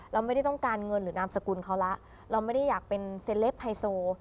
เราไม่ได้ต้องการเงินหรือนามสกุลเขาแล้วเราไม่ได้อยากเป็นเซลปไฮโซ